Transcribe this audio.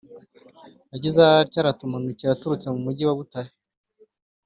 yagize atya arakumanukira aturutse mu mugi wa butare,